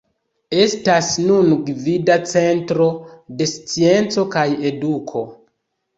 Estas nun gvida centro de scienco kaj eduko.